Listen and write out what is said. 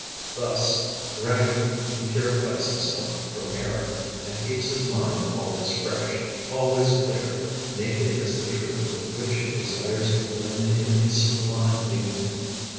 Thus, gradually, he purifies himself from error, and keeps his mind always fresh, always clear, naked as the Truth with which he desires to blend in a sublime union.